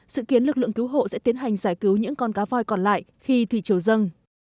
sự kiến lực lượng cứu hộ sẽ tiến hành giải cứu những con cá voi còn lại khi thủy chiều dâng